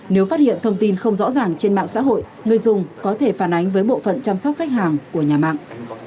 nếu phát hiện thông tin không rõ ràng trên mạng xã hội người dùng có thể phản ánh với bộ phận chăm sóc khách hàng của nhà mạng